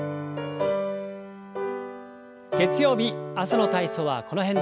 月曜日朝の体操はこの辺で。